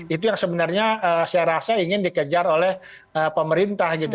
itu yang sebenarnya saya rasa ingin dikejar oleh pemerintah gitu